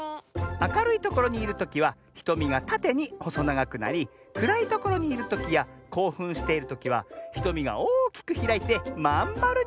あかるいところにいるときはひとみがたてにほそながくなりくらいところにいるときやこうふんしているときはひとみがおおきくひらいてまんまるになるのミズ！